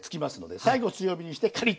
最後強火にしてカリッと。